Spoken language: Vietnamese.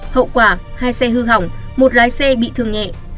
hậu quả hai xe hư hỏng một lái xe bị thương nhẹ